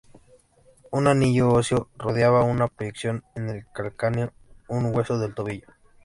Un anillo óseo rodeaba una proyección en el calcáneo, un hueso del tobillo.